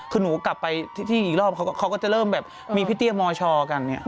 คือหนูกลับไปที่อีกรอบเขาก็จะเริ่มแบบมีพี่เตี้ยมชกันเนี่ย